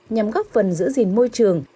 nhằm góp phần giữ gìn môi trường